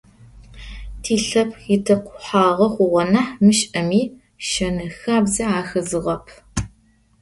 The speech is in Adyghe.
Тилъэпкъ итэкъухьагъэ хъугъэ нахь мышӏэми, шэни хабзи ахэзыгъэп.